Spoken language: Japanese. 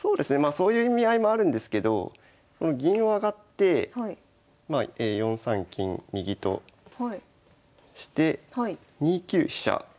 そういう意味合いもあるんですけど銀を上がって４三金右として２九飛車。